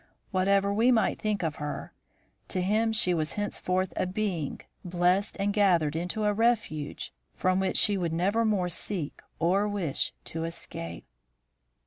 Whatever we might think of her, to him she was henceforth a being blessed and gathered into a refuge from which she would nevermore seek or wish to escape.